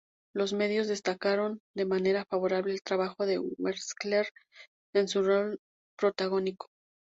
Los medios destacaron de manera favorable el trabajo de Wexler en su rol protagónico.